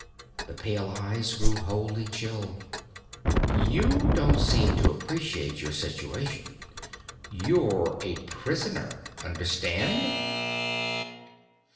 The pale eyes grew wholly chill. "You don't seem to appreciate your situation. You're a prisoner, understand?"